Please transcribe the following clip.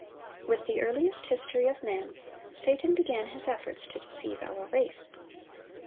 ] With the earliest history of man, Satan began his efforts to deceive our race.